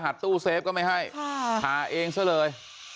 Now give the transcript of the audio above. รหัสตู้เซฟก็ไม่ให้ค่ะหาเองเสียเลย